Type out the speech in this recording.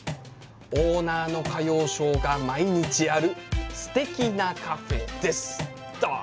オーナーの歌謡ショーが毎日あるすてきなカフェです」っと。